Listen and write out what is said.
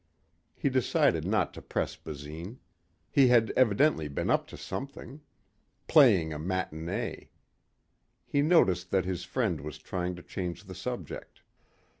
He decided not to press Basine. He had evidently been up to something ... "playing a matinee." He noticed that his friend was trying to change the subject.